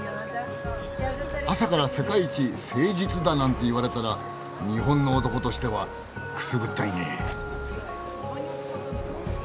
朝から「世界一誠実」だなんて言われたら日本の男としてはくすぐったいねえ。